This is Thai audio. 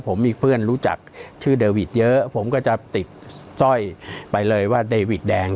ผมมีเพื่อนรู้จักชื่อเดวิดเยอะผมก็จะติดสร้อยไปเลยว่าเดวิดแดง